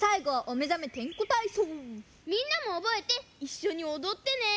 みんなもおぼえていっしょにおどってね！